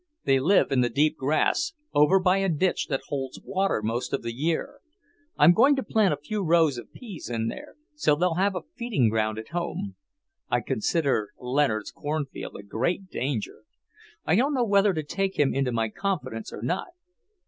They live in the deep grass, over by a ditch that holds water most of the year. I'm going to plant a few rows of peas in there, so they'll have a feeding ground at home. I consider Leonard's cornfield a great danger. I don't know whether to take him into my confidence or not."